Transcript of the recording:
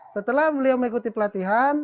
setelah beliau mengikuti pelatihan